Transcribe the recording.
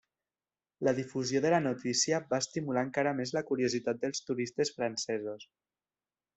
La difusió de la notícia va estimular encara més la curiositat dels turistes francesos.